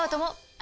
あ！